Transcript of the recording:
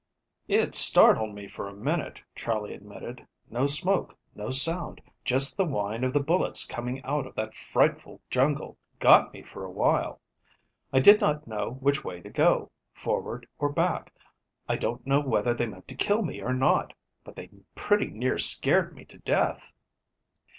"It startled me for a minute," Charley admitted. "No smoke, no sound just the whine of the bullets coming out of that frightful jungle got me for a while. I did not know which way to go, forward or back. I don't know whether they meant to kill me or not, but they pretty nearly scared me to death."